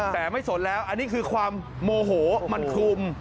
แต่ไม่สนแล้วอันนี้คือความโมโหมันคลุม